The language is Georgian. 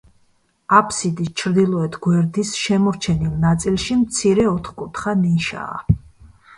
აფსიდის ჩრდილოეთ გვერდის შემორჩენილ ნაწილში მცირე ოთხკუთხა ნიშაა.